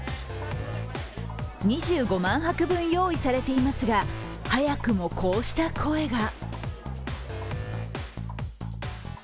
２５万泊分用意されていますが、早くもこうした声が。